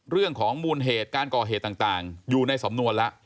เรื่องของมูลเหตุการกอเหตุต่างต่างอยู่ในสำนวนละ